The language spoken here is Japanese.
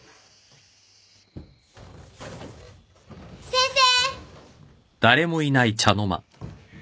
先生！